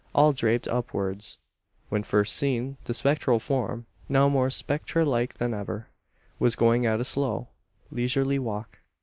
All draped upwards! When first seen, the spectral form now more spectre like than ever was going at a slow, leisurely walk.